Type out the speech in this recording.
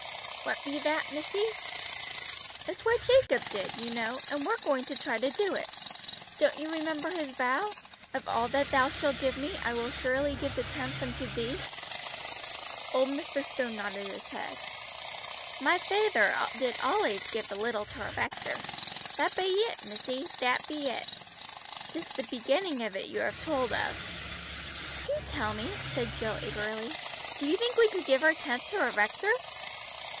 "What be that, missy?" "It's what Jacob did, you know, and we're going to try to do it. Don't you remember his vow? 'Of all that Thou shalt give me, I will surely give the tenth unto Thee.'" Old Mr. Stone nodded his head. "My fayther did allays give a little to our rector; that be it missy, that be it. 'Tis the beginning of it you have told of!" "Do tell me," said Jill eagerly. "Do you think we could give our tenth to our rector?"